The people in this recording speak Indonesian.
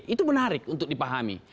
itu menarik untuk dipahami